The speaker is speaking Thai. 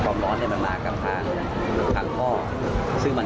มันก็มีตัวชาปเป็นผนังหูทำให้